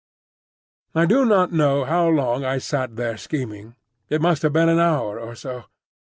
I do not know how long I sat there scheming. It must have been an hour or so.